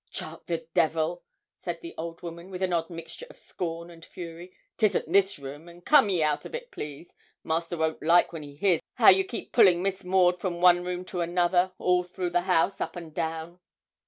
'Charke the devil!' said the old woman, with an odd mixture of scorn and fury. ''Tisn't his room; and come ye out of it, please. Master won't like when he hears how you keep pulling Miss Maud from one room to another, all through the house, up and down.'